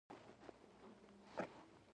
هوا نه راځي